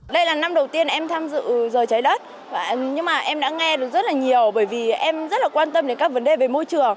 đây là năm đầu tiên em tham dự giờ trái đất nhưng mà em đã nghe được rất là nhiều bởi vì em rất là quan tâm đến các vấn đề về môi trường